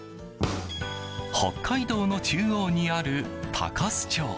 北海道の中央にある鷹栖町。